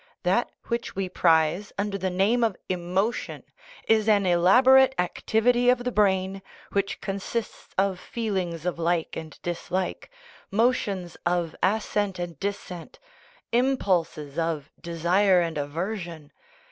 That which we prize under the name of "emotion" is an elaborate activity of the brain, which consists of feel ings of like and dislike, motions of assent and dissent, impulses of desire and aversion.